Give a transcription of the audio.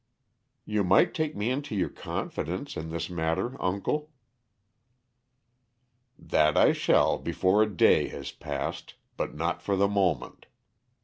"You might take me into your confidence, in this matter, uncle." "That I shall before a day has passed, but not for the moment.